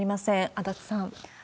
足立さん。